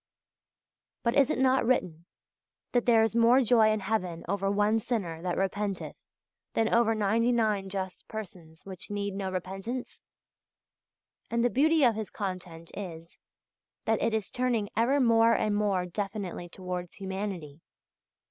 But is it not written that "there is more joy in heaven over one sinner that repenteth than over ninety nine just persons which need no repentance"? And the beauty of his content is, that it is turning ever more and more definitely towards humanity.